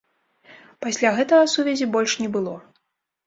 Пасля гэтага сувязі больш не было.